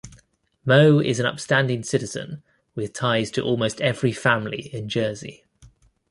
Mo is an upstanding citizen with ties to almost every family in Jersey.